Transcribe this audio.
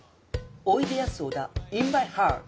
おいでやす小田インマイハート。